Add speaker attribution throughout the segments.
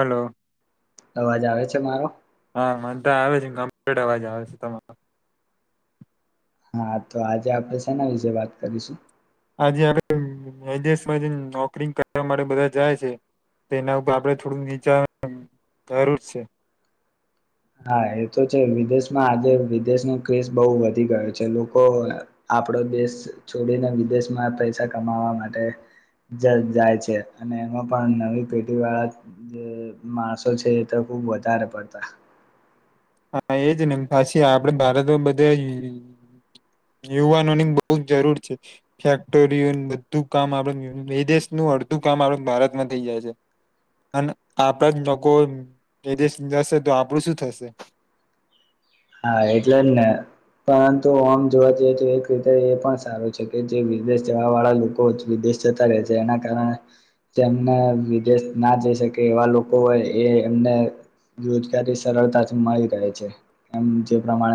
Speaker 1: Hello.
Speaker 2: અવાજ આવે છે મારો?
Speaker 1: ગંભી [unintelligible] અવાજ આવે છે તમારો.
Speaker 2: હા તો આજે આપણે શેના વિશે વાત કરીશું?
Speaker 1: આજે આપણે વિદેશમાં જઈન નોકરી કરવા માટે બધા જાય છે, તેના ઉપર આપણે થોડુંક વિચાર જરૂર છે.
Speaker 2: હા એ તો છે. વિદેશમાં આજે વિદેશનો ક્રેઝ બહુ વધી ગયો છે. લોકો આપડો દેશ છોડીને વિદેશમાં પૈસા કમાવા માટે જ જાય છે, અને એમાં પણ નવી પેઢી વાળા જે માણસો છે એ તો ખુબ વધારે પડતા
Speaker 1: હા એજ ને પાછી આપડે ભારતમાં બધેય યુવાનોની બહું જ જરૂર છે. ફેક્ટરીઓન બધું કામ [unintelligible] વિદેશનું અડધું કામ આપડે ભારતમાં થઈ જાય છે, અને આપડા જ લોકો વિદેશ જશે તો આપડું શું થશે?
Speaker 2: હા એટલે જ ને, પરંતુ ઓમ જોવા જઈએ તો એક રીતે એ પણ સારું છે, કે જે વિદેશ જવા વાળા લોકો વિદેશ જતા રહે છે, એના કારણે તેમના વિદેશ ના જઈ શકે એવા લોકો હોય એ એમને રોજગારી સરળતાથી મળી રહે છે. હમ્મ.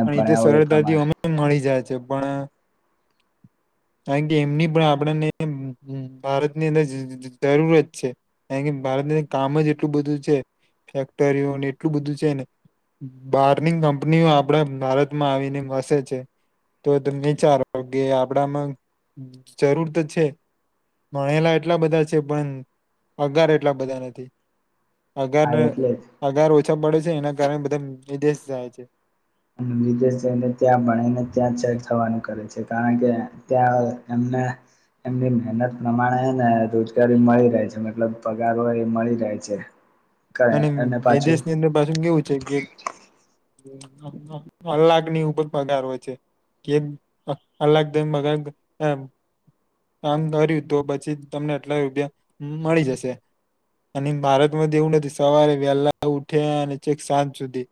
Speaker 1: પણ એ તો સરળતાથી ઓમેય મળી જાય. જે પણ કારણ કે એમની [unintelligible] આપણને ભારતની અંદર જજ જરૂરત છે, કારણ કે ભારતની અંદર કામ જ એટલું બધું છે. ફેક્ટરીઓને એટલું બધું છે ને, બારની કંપનીઓ આપડા ભારતમાં આવીને વસે છે. તો તમે વિચારો કે આપડામાં જરૂર તો છે, ભણેલા એટલા બધા છે પણ પગાર એટલા બધા નથી. પગાર
Speaker 2: હા
Speaker 1: ને
Speaker 2: એટલે જ
Speaker 1: પગાર ઓછા મળે છ છે એના કારણે બધા વિદેશ જાય છે.
Speaker 2: અને વિદેશ જઈને ત્યાં ભણીને ત્યાં જ સેટ થવાનું કરે છે, કારણ કે ત્યાં એમને એમની મહેનત પ્રમાણે હે ને રોજગારી મળી રહે છે, મતલબ પગાર હોય એ મળી રહે છે.
Speaker 1: અને એ દેશની અંદર પાછું કેવું છે કે કલાકની ઉપર પગાર હોય છે, કે કલાક દેઈ પગાર એમ કામ કર્યું તો પછી તમને આટલા રૂપિયા મળી જશે, અને ભારતમાં તો એવું નથી સવારે વહેલા ઉઠ્યા અને છેક સાંજ સુધી,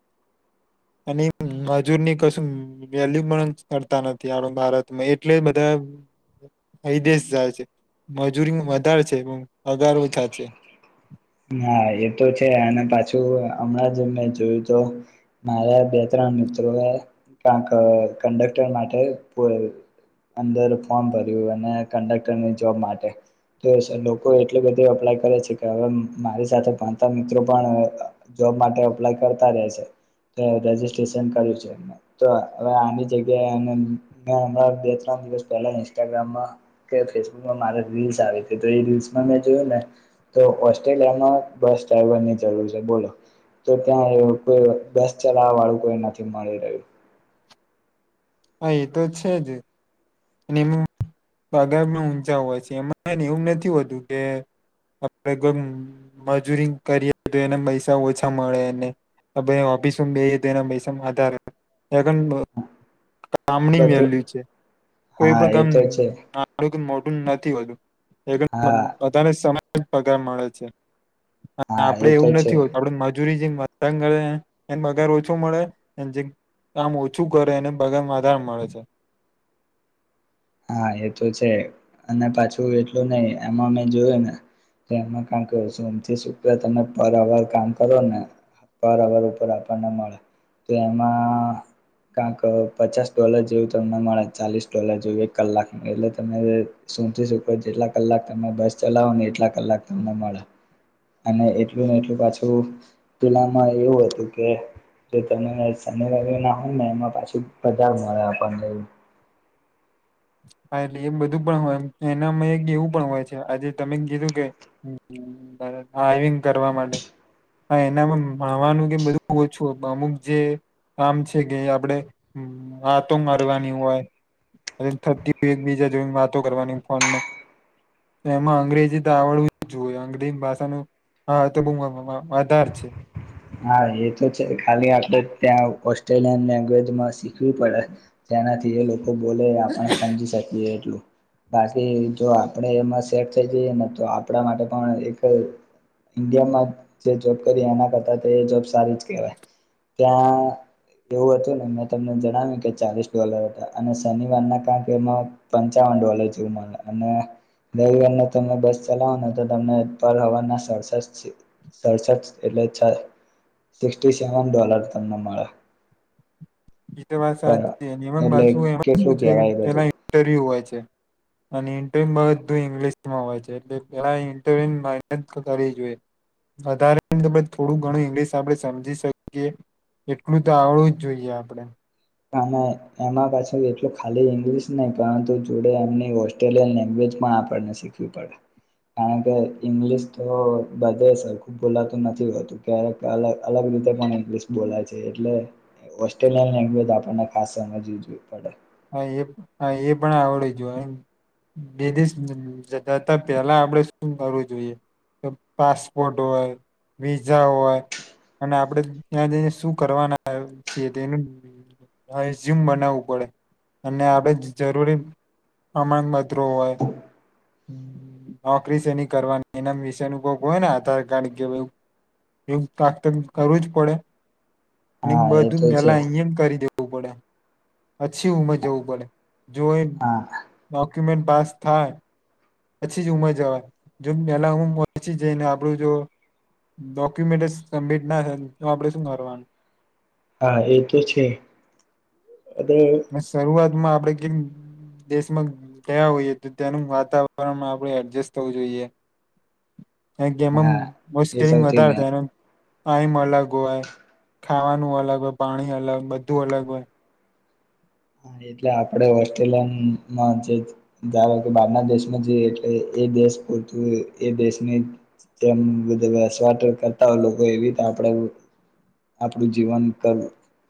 Speaker 1: અને મજૂરની કશું વેલ્યુ પણ કરતા નથી આપડા ભારતમાં, એટલે બધા વિદેશ જાય છે. મજૂરી વધારે છે, પગાર ઓછા છે.
Speaker 2: હા એ તો છે, અને પાછું હમણાં જ મેં જોયું તો મારા બે ત્રણ મિત્રોએ કાક કંડક્ટર માટે પ અંદર ફોર્મ ભર્યું અને કંડક્ટરની જોબ માટે, તો સ લોકો એટલું બધું અપ્લાય કરે છે કે હવે મારી સાથે ભણતા મિત્રો પણ જોબ માટે અપ્લાય કરતા રહે છે. તો રજીસ્ટ્રેશન કર્યું છે એમને. તો હવે આમની જગ્યા એમને મે હમણાં જ બે ત્રણ દિવસ પહેલા ઇન્સ્ટાગ્રામમાં કે ફેસબુકમાં મારે રીલ્સ આવી હતી, તો એ રીલ્સમાં મેં જોયું ને તો ઓસ્ટ્રેલિયામાં બસ ડ્રાઈવર ની જરૂર છે બોલો. તો ત્યાં એવું કે કોઈ બસ ચલાવવા વાળું કોઈ નથી મળી રહ્યું.
Speaker 1: હા એ તો છે જ. અને એમનું પગાર પણ ઊંચા હોય છે. એમાં [unintelligible] એવું નથી હોતું કે આપણે મજૂરી કરીએ તો એના પૈસા ઓછા મળેને, આપણે ઓફિસમાં બેહી તો એના પૈસામાં વધારે [unintelligible] કામની
Speaker 2: બધું
Speaker 1: વેલ્યું છે. કોઈ
Speaker 2: હા એ
Speaker 1: પણ
Speaker 2: તો છે
Speaker 1: કામ [unintelligible] મોટુંન નથી હતું.
Speaker 2: હા
Speaker 1: [unintelligible] બધાને સમય [unintelligible] પગાર મળે છે.
Speaker 2: હા
Speaker 1: આપડે
Speaker 2: એ તો
Speaker 1: એવું નથી
Speaker 2: છે
Speaker 1: હોતું, આપડે મજૂરી [unintelligible] ે એને પગાર ઓછો મળે જે કામ ઓછું કરે એને બગારમાં આધાર મળે છે.
Speaker 2: હા એ તો છે અને પાછું એટલું નહ એમાં મેં જોયું ને એમાં કંક સોમથી શુક્ર તમે પર અવર કામ કરો ને પર અવર ઉપર આપણને મળે, તો એમાં કક પચાસ ડોલર જેવું તમને મળે ચાલીસ ડોલર જેવું કલાક એટલે તમે શથી શકો જેટલા કલાક તમે બસ ચલાવો, ને એટલા કલાક તમને મળ્યા અને એટલું ને એટલું પાછું પેલામાં એવું હતું કે ત શનિવા ના હોય ને એમાં પાછ બજાર મળેણને
Speaker 1: હા એટલે એમ બધું પણ હોય એનામાં એક એવું પણ હોય છે, આજે તમે કીધું કે ડવિંગ કરવા માટે હ એનામાં ભણવાનું કે બધું ઓછું અમુક જે કામ છે, કે આપણેે હતો મારવાની હોયતી એકબીજા જોઈને વાતો કરવાની ફોનમાં એમાં અંગ્રેજી તો આવડવું જએ, અંગ્રેજી ભાષા ન આ તો આધાર છે.
Speaker 2: હા એ તો છે ખાલી આપણે ત્યાં ઓસ્ટ્રેલિયન લેંગ્વેજમાં શીખવી પડે, તેનાથી એ લોકો તો બોલે આપણે સમજી શકીએ. બાકી જો આપણે એમાં સેટ થઈ જઈએ ને તો આપણા માટે પણ એક ઈન્ડિયામાં જે જોબ કરીએ એના કરતા જોબ સારી જ કેહેવાય ત્યાં એવું હતું ને મેં તમને જણાવ્યું કે ચાલીસ ડોલર હતા, અને શનિવારના ક કે એમાં પંચાવન ડોલર જેવુ અને રવિવાર તમે બસ ચલાવો ને તો તમને પર હવાના સડસ સડસ એટલે સિક્ સેવન ડોલર તમને મળે.
Speaker 1: બીજ વાત સાચ
Speaker 2: પર
Speaker 1: છેની એમત એમાં
Speaker 2: એટલે
Speaker 1: શું
Speaker 2: કેટલું
Speaker 1: છે
Speaker 2: કેહેવાય એ બધું
Speaker 1: પેલા ઇન્ટરવ્યુ હોય અને ઇર્યમાં બધું ઇંગલિશમાં હોય છે એટલે પેલા ર મનત કરવી જોઈએ, વધારે થોડું ઘણું ઇંગ્લશ આપણે સમજી શકીએ, એટલું તો આવડું જ જોઈએ. આપડે.
Speaker 2: એમાં પાછું એટલું ખાલી ઈંગ્લિશ નહ પરંતુ જોડે એમની ઓસ્ટ્રેલિયન લેંગ્વેજ પણ આપણને શીખવી પડે કારણ કે ઈંગ્લિશ તો બધે સરખું બોલાતું નથી હોતું ક્યારેક અલ અલગ રીતે પણ ઈંગ્લિશ બોલાય છે એટલે ઓસ્ટ્રેલિયન લેંગ્વેજ આપને ખાસ સમજવી જોવી પડે.
Speaker 1: હ એ એ પણ આવડવી જોઈએ બે દેશ જતા પહેલા આપણેે શું કરવું જોઈએ, પાસપોર્ટ હોય વિઝા હોય અને આપણેે ત્યાં જને શું કરવાના છીએ તેનુંઝ્યુમ બનાવવું પડે. અને આપડે જરૂરી પ્રમાણપત્રો હોય, નોકરી સની કરવાની એના વિષનુભગ હોય ને આધાર કાર્ડ કે એવું કાત કરવું જ પડે. અને
Speaker 2: હા એ
Speaker 1: બધું
Speaker 2: તો છે
Speaker 1: પલા અહીં એમ કરી દે [unintelligible] પછી ઉમર જવું પડે. જો એ
Speaker 2: હા
Speaker 1: બાકી મે પાસ થાય. પછી જ ઉમર જવા, પેલા હું પછી જઈને આપણું જો ડોક્યુમેન્ટ સબમિટ ના થાય તો આપણે શું કરવાનું?
Speaker 2: હા એ તો છે અને
Speaker 1: મે શરૂઆત આપણે કઈક દેશમાં ગયા હોઈએ તો ત્યાંનું વાતાવરણ આપણે એડજસ્ટ થવું જોઈએ. ગેમમ
Speaker 2: હા એ
Speaker 1: મુશ્કેલીંગ
Speaker 2: સૌથી
Speaker 1: વધારે
Speaker 2: મેન
Speaker 1: થાય એ ટાઈમ અલગ હોય, ખાવાનું અલગ હોય પાણી અલગ બધું અલગ હોય.
Speaker 2: હા એટલે આપણે ઓસ્ટ્રેલિયામાં જે જવા કે બહારના દેશમાં જઈએ એટલે એ દેશ પતું એ દેશની જે વસવાટ કરતા હોય, લોકો એવી રીતે આપણે આપણું જીવન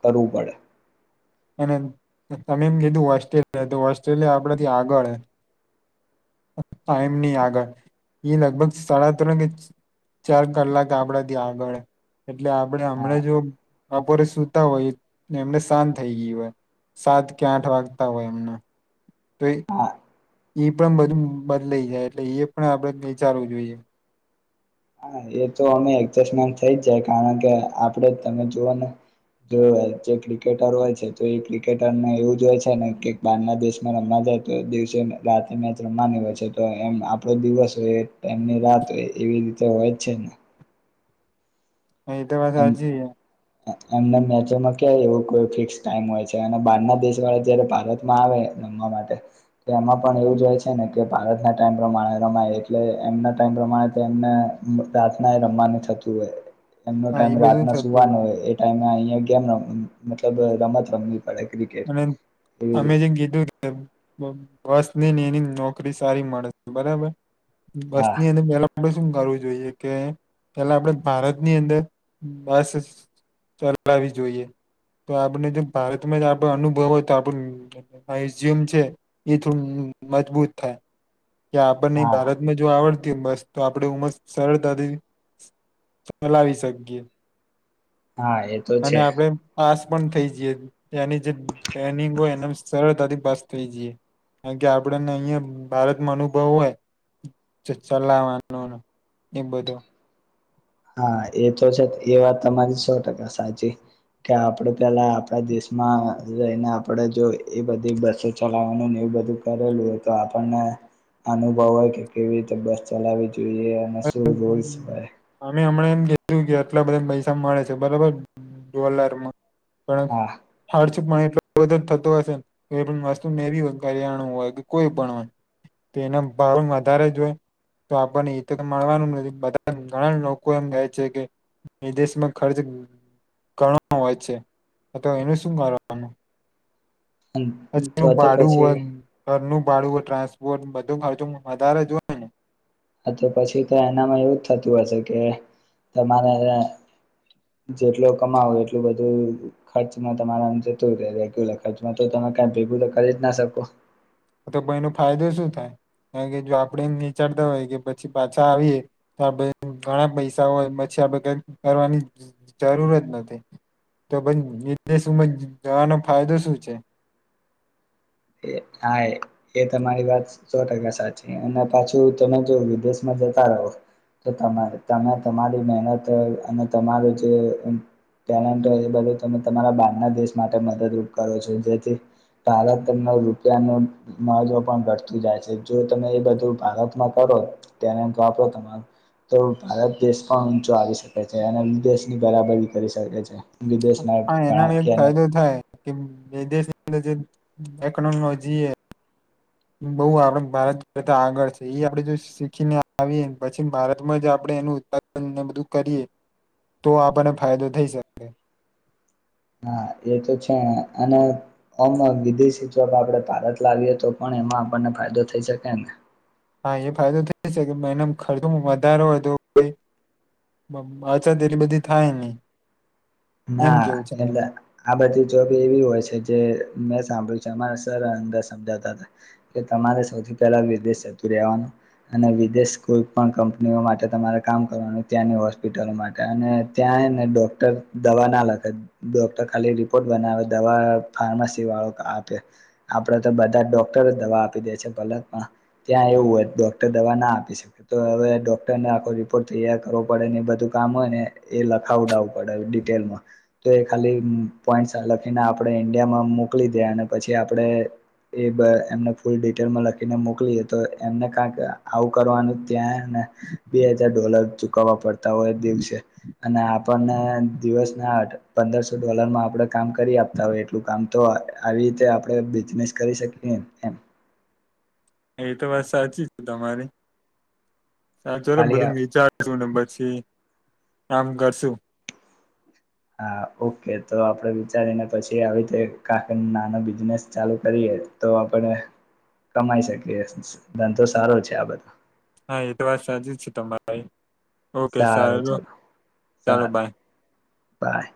Speaker 2: કરવું પડે.
Speaker 1: અને તમે એમ કીધું ઓસ્ટ્રેલિયા તો ઓસ્ટ્રેલિયા આપડા તથી આગળ હૈ. ટાઈમ ની આગળ એ લગભગ સાડા ત્રણ કે ચાર કલાક આપણાથી આગળ, એટલે આપણે
Speaker 2: હા
Speaker 1: હમણાં જો બપોરે સુતા હોય એમને શાંત થઈ ગય હોય, સાત કે આઠ વાગતા હોય એમના, તો
Speaker 2: હા
Speaker 1: એ પણ બધું બદલાઈ જાય એટલે એ પણ આપણે વિચારવું જોઈએ.
Speaker 2: હા એ તો અમે એડજસ્ટમેન્ટ થઈ જ જાય, કારણ કે આપડ તમે જુઓ ને જો જે ક્રિકેટર હોય છે, તો એ ક્રિકેટરને એવું જો હોય છે ને કે બારના દેશમાં રમવા જાય તો દિવસે રાત મેચ રમવાની હોય છે, તો એમ આપડો દિવસ હોય. એમની રાત્રે એવી રી તો હોય જ છે ને.
Speaker 1: અહી તો બસ હજ [unintelligible]
Speaker 2: એમને મેચોમાં કય એવું કોઈ ફિક્સ ટાઈમ હોય છે અને બારના દેશ વાળા જયારે ભારતમાં આવે, રમવા માટે તો એમાં પણ એવું જ હોય છે ને કે ભારતના ટાઈમ પ્રમાણે રમાય એટલે એમના ટાઈમ પ્રમાણે એમને રાતના રમવાનું થતું હોય. એમનો
Speaker 1: હા
Speaker 2: ટાઈમ
Speaker 1: એ બધું
Speaker 2: રાતનો
Speaker 1: થતું
Speaker 2: સુવાનો હોય એ ટાઈમે અ મ ગેમ રમ મતલબ રમત રમ
Speaker 1: અને અ અમે જેમ કીધું નઈને એની નોકરી સારી મળત બરાબર. બસ
Speaker 2: હા
Speaker 1: ની અંદર મેલા મળ [unintelligible] શું કરવું જોઈએ કે પેલા આપડ ભારત ની અંદર બસ ચલાવી જોઈએ, તો આપણે જો ભારતમાં જ આપ અનુભવ હો તો આપણું [unintelligible] છે એ થોડું મજબૂત થાય. કે આપણને
Speaker 2: હા
Speaker 1: ભારતમાં જો આવડત તે બસ તો આપણેે ઉમ સરળતાથી ચલાવી શકીએ.
Speaker 2: હા એ તો
Speaker 1: અને
Speaker 2: છે
Speaker 1: આપડે આસ પણ થઈ જ એની નિંગ હોય એ સરળતાથી પાસ થઈ જઈએ, કારણ કે આપડને અહિયાં ભારતમાં અનુભવ હોય, ચલાવાનો એ બધો.
Speaker 2: હા એ તો છે એ વાત તમારી સો ટકા સાચી, કે આપડે પેલા આપણા દેશ માના આપડે જો એ બધી બસો ચલાવવાનું ને એવું બધું કરેલું હોય તો આપણને અનુભવ હોય કે કેવી રીતે બસ ચલાવી જોઈએ. શું રૂલ્સ હોય
Speaker 1: અમે હમણે કે આટલા બધા પૈસા મળે છે બરાબર ડોલરમાં. પણ
Speaker 2: હા
Speaker 1: ખર્ચ પણ એ ખર્ચો તો થતો હશેન કઈ પણ વસ્તુ મેવીય કર્યાણું હોય કે કોઈ પણ હોય, તો એના ભાડુ વધારે જોય, તો આપણન મળવાનું નથી બધા ઘણા લોકો એમ, ગાય છે કે વિદેશમાં ખર્ચ ઘણો હોય છે, અથવા એનું શું કરવાનું. પછી
Speaker 2: તો
Speaker 1: એનું
Speaker 2: તો
Speaker 1: ભાડું હો
Speaker 2: પછી
Speaker 1: ઘરનું ભાડુ ટ્રાન્સપોર્ટ બધું ખર્ચ વધારે જોય ને.
Speaker 2: હ તો પછી તો એનામાં એવું જ થતું હશે, કે તમારે જેટલું કમાવ એટલું બધું ખર્ચમાં તમારા જતું હો રેગ્યુલર ખર્ચમાં તો તમે ક ભેગું તો કરી જ ના શકો.
Speaker 1: તો ભ એનો ફાયદો શું થાય કારણ કે જો આપણે નીચાડતા હોય કે પછી પાછા આવીએ તો આપ ઘણા પૈસા હોય પછી આપે ક કરવાની જરૂરત નથી, તો ભ વિદેશમાં જવાનો ફાયદો શું છે.
Speaker 2: હા એ તમારી વાત સો ટકા સાચી અને પાછું તમે જો વિદેશમાં જતા રહો, તો તમે તમારી મહેનત અને તમારું જે ટેલેન્ટ હોય એ બધું તમે તમારા બારના દેશ માટે મદદરૂપ કરો છો જેથી, ભારત ત રૂપિયા ન માજવ પણ ઘટતું જાય છે જો તમે એ બધું ભારતમાં કરો તેને વાપરો તમારો, તો ભારત દેશ પણ ઊંચો આવી શકે છે અને વિદેશની બરાબરી કરી શકે છે. વિદેશના
Speaker 1: હા એનો એક
Speaker 2: ઘણા
Speaker 1: ફાયદો થાય કે વિદેશ લે જે ટેકનોલોજી એ બહુ આપ ભારત કરતા આગળ છે એ આપણે જો શીખીને આવીએ પછી ભારતમાં જ આપણે એનું ઉત્પાદનને બધું કરીએ, તો આપણને ફાયદો થઈ શકે.
Speaker 2: હા એ તો છે અને અમ વિદેશી ચક આપણે ભારત લાવીએ તો પણ એમાં આપણને ફાયદો થઈ શકે એને.
Speaker 1: હા એ ફાયદો થઈ જ કે એના ખર્ચો વધારો હોય તો અછત એટલી બધી થાય નહી. એમ
Speaker 2: ના
Speaker 1: કેવું છે
Speaker 2: એટલે
Speaker 1: મારું.
Speaker 2: આ બધી જોબી એવી હોય છે. જે મેં સાંભળ્યું છે અમારા સર અંદર સમજાતા હતા, કે તમારે સૌથી પહેલા વિદેશ જતું રહેવાનું, અને વિદેશ કોઈ પણ કંપનીઓ માટે તમારે કામ કરવાનું ત્યાંની હોસ્પિટલો માટે અને ત્યાં એને ડોક્ટર દવા ના લખે ડોક્ટર ખાલી રિપોર્ટ બનાવે દવા ફાર્માસી વાળો આપે, આપડે તો બધા ડોક્ટર જ દવા આપી દે છે પલકમાં, ત્યાં એવું હોય ડોક્ટર દવા ના આપી શકે તો હવે ડોક્ટરને આખો રિપોર્ટ તૈયાર કરવો પડે ને એ બધું કામ હોય ને એ લખાવડાવવું પડે. તો એ ખાલી પોઈન્ટ લખીને આપણે ઈન્ડિયામાં મોકલી દે અને પછી આપણે એ એમને ફૂલ ડિટેલમાં લખીને મોકલી તો એમને કક આવું કરવાનું ત્યાંને, બે હજાર ડોલર ચુકવવા પડતા હોય દિવસે, અને આપણને દિવસના આઠ પંદરસો ડોલરમાં આપણે કામ કરી આપતા હોય એટલું કામ તો આવી રીતે આપણે બિઝનેસ કરી શકી એમ.
Speaker 1: એ તો બસ સાચી છે તમારી. હા ચોલો બધું
Speaker 2: ખાલી
Speaker 1: હું વિચારું નંબર પછી, કામ કરશું.
Speaker 2: હા ઓકે તો આપડ વિચારીને પછી આવી રીતે કાક નાનો બિઝનેસ ચાલુ કરીએ તો આપણે કમાઈ શકીએ, ધંધો સારો છે આ બધો.
Speaker 1: હા એ તો વાર સાચ જ છે તમારી. ઓકે સાર
Speaker 2: સારું ચલો
Speaker 1: ચાલો
Speaker 2: સારું
Speaker 1: બાય.
Speaker 2: બાય.